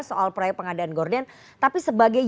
soal proyek pengadaan gorden tapi sebagai